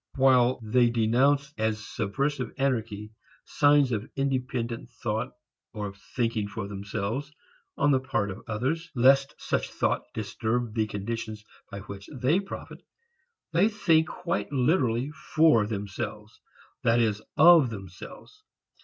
While they denounce as subversive anarchy signs of independent thought, of thinking for themselves, on the part of others lest such thought disturb the conditions by which they profit, they think quite literally for themselves, that is, of themselves.